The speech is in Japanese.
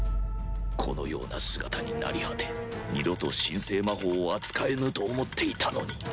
このような姿になり果て二度と神聖魔法を扱えぬと思っていたのに